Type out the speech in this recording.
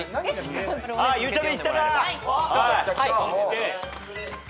あっゆうちゃみいったか！